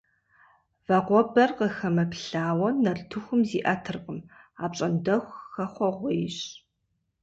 Вагъуэбэр къыхэмыплъауэ нартыхум зиӏэтыркъым, апщӏондэху хэхъуэгъуейщ.